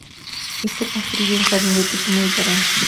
Éste construyó un jardín de tipo mediterráneo.